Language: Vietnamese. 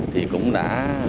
thì cũng đã